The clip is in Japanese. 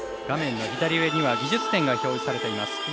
画面の左上には技術点が表示されています。